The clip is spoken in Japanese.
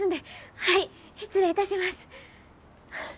はい失礼いたします。